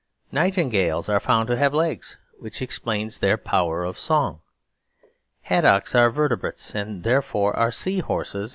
Nightingales are found to have legs, which explains their power of song. Haddocks are vertebrates; and therefore are sea horses.